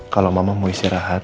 kalau mama mau istirahat